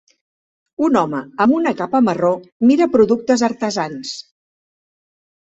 Un home amb una capa marró mira productes artesans.